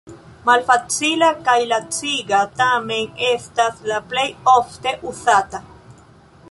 Malfacila kaj laciga, tamen estas la plej ofte uzata.